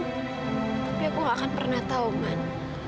tapi aku gak akan pernah tahu man